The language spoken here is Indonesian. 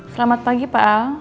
selamat pagi pak al